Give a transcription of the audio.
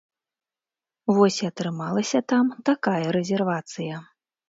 Вось і атрымалася там такая рэзервацыя.